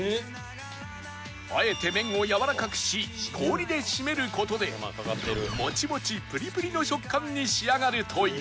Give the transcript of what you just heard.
あえて麺をやわらかくし氷でシメる事でモチモチプリプリの食感に仕上がるという